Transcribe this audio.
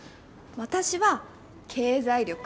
私は「経済力」。